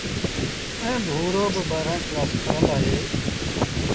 ائيٚݩ ڀورو با ٻآهرآݩ ڪلآس پڙهل اهي۔